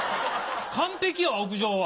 完璧やわ屋上は。